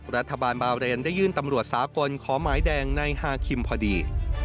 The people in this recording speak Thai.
รัฐบาลบาเรนได้ยื่นตำรวจสากลขอหมายแดงในฮาคิมพอดี